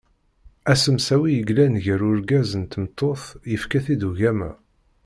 Asemsawi i yellan gar urgaz n tmeṭṭut yefka-t-id ugama.